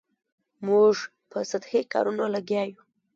موږ په سطحي کارونو لګیا یو.